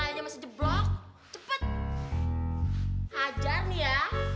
nih lainnya masih jeblok cepet hajar nih ya